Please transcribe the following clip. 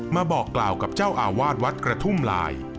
มาบอกกล่าวกับเจ้าอาวาสวัดกระทุ่มลาย